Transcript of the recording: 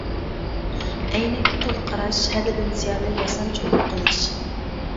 ئەينەككە تولا قاراش، ھەددىدىن زىيادە ياسانچۇقلۇق قىلىش.